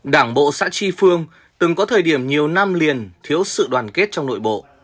đảng bộ xã tri phương từng có thời điểm nhiều năm liền thiếu sự đoàn kết trong nội bộ